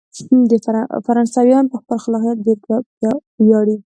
فرانسویان په خپل خلاقیت ډیر ویاړي.